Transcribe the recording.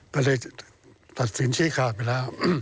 ก็เลยตัดศิลป์ชีขาดไปแล้ว